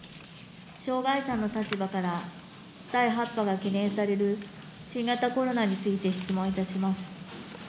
障害者の立場から、第８波が懸念される新型コロナについて質問いたします。